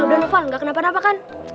udah novel gak kenapa napa kan